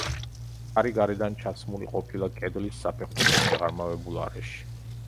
კარი გარედან ჩასმული ყოფილა კედლის საფეხურით შეღრმავებულ არეში.